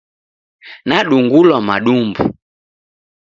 Nadungulwa madumbu